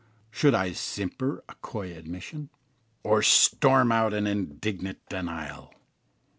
Should I simper a coy admission, or storm out an indignant denial?